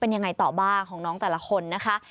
เป็นยังไงต่อบ้างของน้องแต่ละคนนะคะ